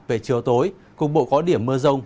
về chiều tối cùng bộ có điểm mưa rông